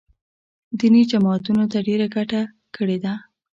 دیني جماعتونو ته ډېره ګټه کړې ده